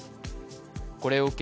これを受け